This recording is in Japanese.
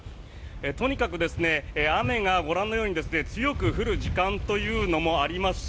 とにかく雨がご覧のように強く降る時間というのもありますし